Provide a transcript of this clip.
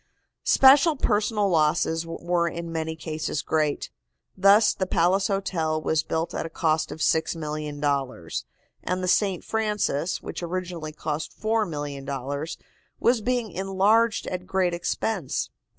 Special personal losses were in many cases great. Thus the Palace Hotel was built at a cost of $6,000,000, and the St. Francis, which originally cost $4,000,000, was being enlarged at great expense.